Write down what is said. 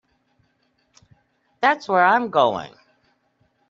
That's where I'm going.